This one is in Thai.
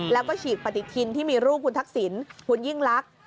แล้วก็ฉีกปฏิทินที่มีรูปคุณทักษิณคุณยิ่งลักษณ์